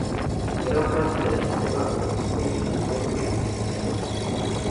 Gran parte de la reserva consiste en un bosque prístino.